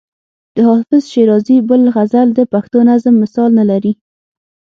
د حافظ شیرازي بل غزل د پښتو نظم مثال نه لري.